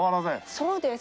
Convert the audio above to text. そうです。